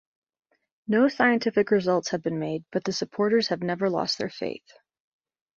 No scientific results have been made, but the supporters have never lost their faith.